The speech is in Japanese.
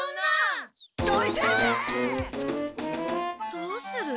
どうする？